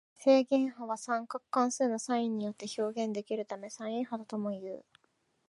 正弦波は三角関数のサインによって表現できるためサイン波ともいう。